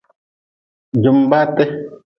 Jumbaate.